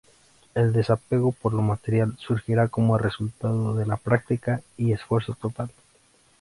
El desapego por lo material surgirá como resultado de la práctica y esfuerzo total.